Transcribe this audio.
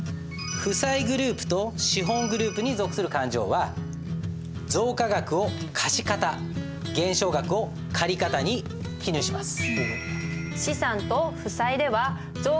負債グループと資本グループに属する勘定は増加額を貸方減少額を借方に記入します。